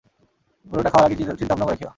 পুরোটা খাওয়ার আগে চিন্তাভাবনা করে খেয়ো।